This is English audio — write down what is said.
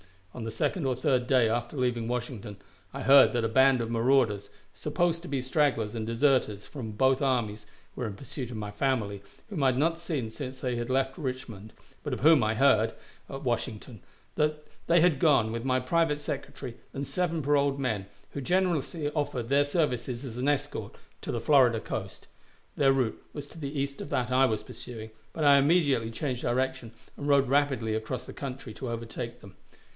On the second or third day after leaving Washington, I heard that a band of marauders, supposed to be stragglers and deserters from both armies, were in pursuit of my family, whom I had not seen since they left Richmond, but of whom I heard, at Washington, that they had gone with my private secretary and seven paroled men, who generously offered their services as an escort, to the Florida coast. Their route was to the east of that I was pursuing, but I immediately changed direction and rode rapidly across the country to overtake them.